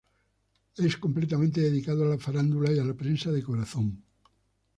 Es completamente dedicado a la farándula y a la prensa de corazón.